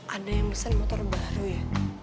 ada yang mesen motor baru ya